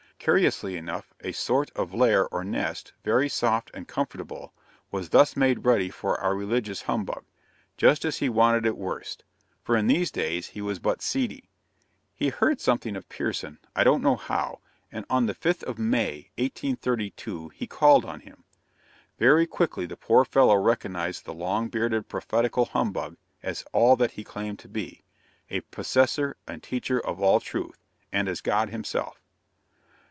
Curiously enough, a sort of lair or nest, very soft and comfortable, was thus made ready for our religious humbug, just as he wanted it worst; for in these days he was but seedy. He heard something of Pierson, I don't know how; and on the 5th of May, 1832, he called on him. Very quickly the poor fellow recognized the long bearded prophetical humbug as all that he claimed to be a possessor and teacher of all truth, and as God himself.